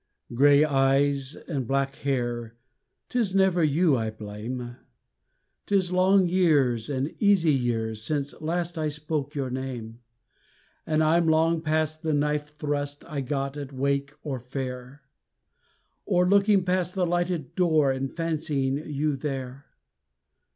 Grey Eyes and Black Hair, 'tis never you I blame. 'Tis long years and easy years since last I spoke your name. And I'm long past the knife thrust I got at wake or fair. Or looking past the lighted door and fancying you there.